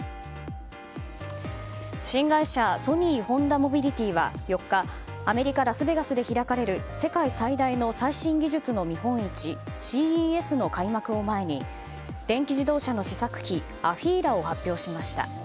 新会社ソニー・ホンダモビリティは４日アメリカ・ラスベガスで開かれる世界最大の最新技術の見本市ＣＥＳの開幕を前に電気自動車の試作機ＡＦＥＥＬＡを発表しました。